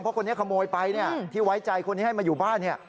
เพราะคนนี้ขโมยไปที่ไว้ใจคนนี้ให้มาอยู่บ้าน